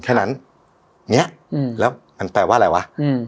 แค่นั้นเนี่ยแล้วมันแปลว่าอะไรวะ